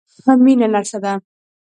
مينه نرسه ده.